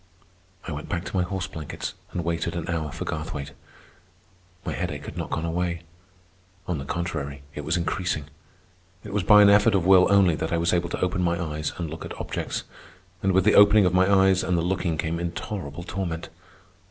I went back to my horse blankets and waited an hour for Garthwaite. My headache had not gone away. On the contrary, it was increasing. It was by an effort of will only that I was able to open my eyes and look at objects. And with the opening of my eyes and the looking came intolerable torment.